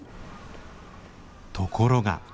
ところが。